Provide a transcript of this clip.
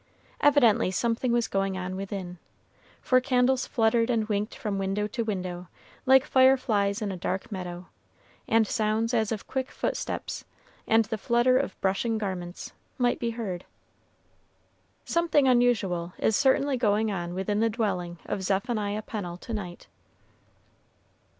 Evidently something was going on within, for candles fluttered and winked from window to window, like fireflies in a dark meadow, and sounds as of quick footsteps, and the flutter of brushing garments, might be heard. Something unusual is certainly going on within the dwelling of Zephaniah Pennel to night.